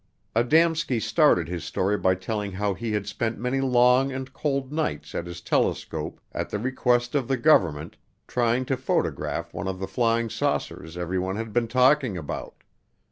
Adamski started his story by telling how he had spent many long and cold nights at his telescope "at the request of the government" trying to photograph one of the flying saucers everyone had been talking about.